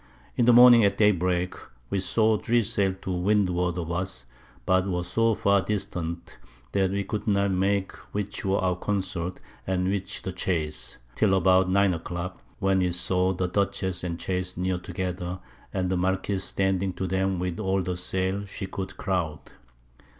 In the Morning at Day break we saw 3 Sail to Windward of us, but were so far distant, that we could not make which were our Consorts, and which the Chase, till about 9 a Clock, when we saw the Dutchess and Chase near together, and the Marquiss standing to them with all the Sail she could crowd.